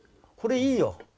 これいいよ。